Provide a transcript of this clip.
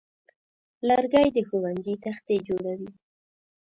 لرګی د ښوونځي تختې جوړوي.